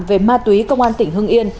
về ma túy công an tỉnh hưng yên